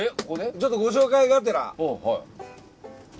ちょっとご紹介がてら。